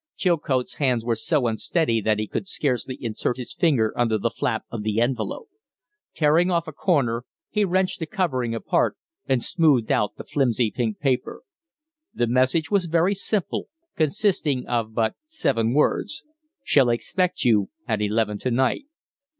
Chilcote's hands were so unsteady that he could scarcely insert his finger under the flap of the envelope. Tearing off a corner, he wrenched the covering apart and smoothed out the flimsy pink paper. The message was very simple, consisting of but seven words: "Shall expect you at eleven to night.